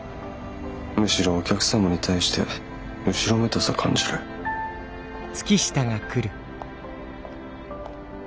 むしろお客様に対して後ろめたさを感じる。